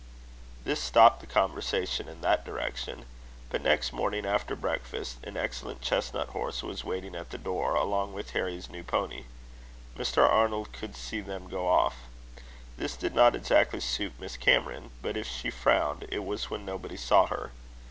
This stopped the conversation in that direction. But next morning after breakfast, an excellent chestnut horse was waiting at the door, along with Harry's new pony. Mr. Arnold would see them go off. This did not exactly suit Miss Cameron, but if she frowned, it was when nobody saw her.